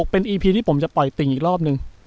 เป็นอีพีที่ผมจะปล่อยติ่งอีกรอบนึง